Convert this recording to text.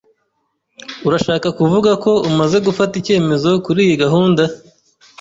Urashaka kuvuga ko umaze gufata icyemezo kuriyi gahunda?